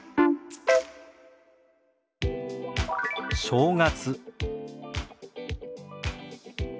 「正月」。